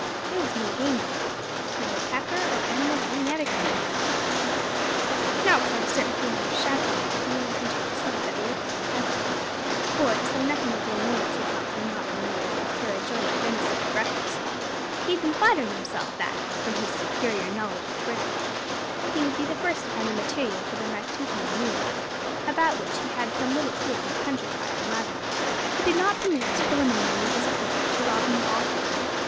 There was no game there neither kakur nor animals of any other kind. Not without a certain feeling of chagrin did the young hunter perceive that the opening was empty: for, to say nothing of the annoyance he felt on not being able to procure a joint of venison for breakfast, he had been flattering himself that, from his superior knowledge of the ground, he would be the first to find the material for their matutinal meal about which he had some little feeling of hunter pride and rivalry. He did not permit this preliminary disappointment to rob him of all hope.